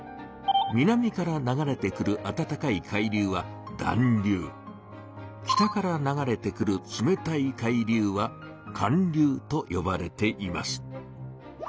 南から流れてくるあたたかい海流は「暖流」北から流れてくる冷たい海流は「寒流」とよばれています。